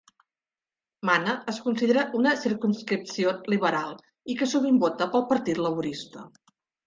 Mana es considera una circumscripció liberal i que sovint vota pel Partit Laborista.